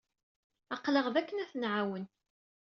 Aql-aɣ da akken ad ten-nɛawen.